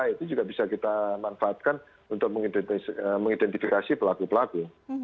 itu juga bisa kita manfaatkan untuk mengidentifikasi pelaku pelaku